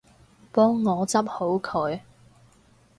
幫我執好佢